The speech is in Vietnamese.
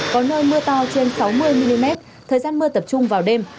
có nơi mưa to trên sáu mươi mm thời gian mưa tập trung vào đêm